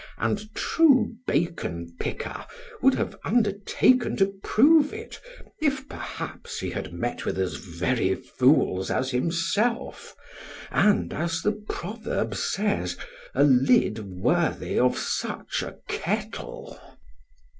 and true bacon picker would have undertaken to prove it, if perhaps he had met with as very fools as himself, (and as the proverb says) a lid worthy of such a kettle.